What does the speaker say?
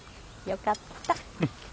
よかった。